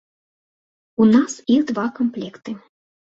У нас іх два камплекты.